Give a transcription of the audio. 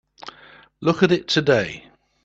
Look at it today.